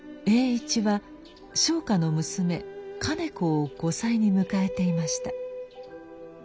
栄一は商家の娘兼子を後妻に迎えていました。